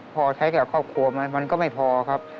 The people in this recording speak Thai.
พอใช้กับครอบครัวไหมมันก็ไม่พอครับ